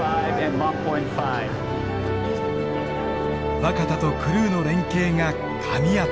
若田とクルーの連係がかみ合った。